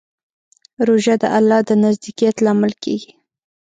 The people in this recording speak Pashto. روژه د الله د نزدېکت لامل کېږي.